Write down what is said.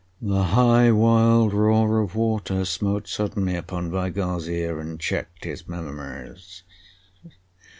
The high wild roar of water smote suddenly upon Weigall's ear and checked his memories.